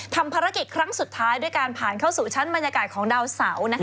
ทำภารกิจครั้งสุดท้ายด้วยการผ่านเข้าสู่ชั้นบรรยากาศของดาวเสา